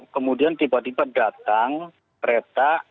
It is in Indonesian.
kemudian tiba tiba datang kereta